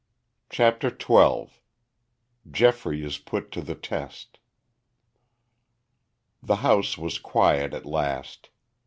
CHAPTER XII GEOFFREY IS PUT TO THE TEST The house was quiet at last.